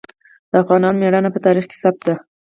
د افغانانو ميړانه په تاریخ کې ثبت ده.